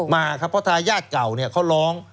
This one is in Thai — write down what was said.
มาครับเพราะทายาทเก่าเนี่ยเขาร้อง